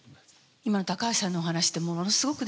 今の橋さんのお話ってものすごくですね